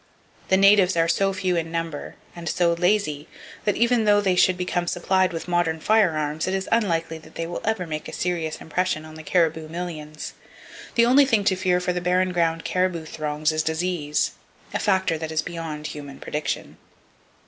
The natives are so few in number, and so lazy, that even though they should become supplied with modern firearms, it is unlikely that they ever will make a serious impression on the caribou millions. The only thing to fear for the barren ground caribou throngs is disease,—a factor that is beyond human prediction.